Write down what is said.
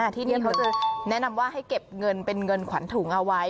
ที่นี่เขาจะแนะนำว่าให้เก็บเงินเป็นเงินขวัญถุงเอาไว้